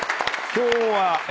今日は。